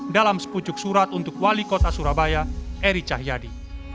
dalam sepucuk surat untuk wali kota surabaya eri cahyadi